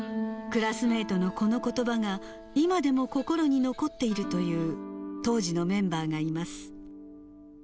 クラスメートのこのことばが、今でも心に残っているという当時のメンバーがいます。